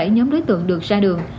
một mươi bảy nhóm đối tượng được ra đường